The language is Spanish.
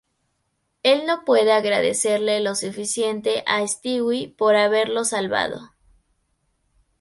Él no puede agradecerle lo suficiente a Stewie por haberlo salvado.